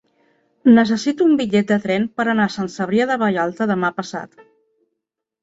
Necessito un bitllet de tren per anar a Sant Cebrià de Vallalta demà passat.